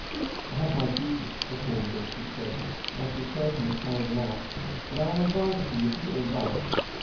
"I have my duties to perform," Vincent said, "and I shall certainly carry them through; but I am obliged to you for your advice.